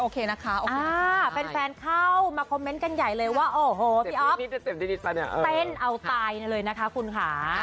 แฟนเข้ามาคอมเมนต์กันใหญ่เลยว่าโอ้โหพี่อ๊อฟเนี่ยเต้นเอาตายเลยนะคะคุณค่ะ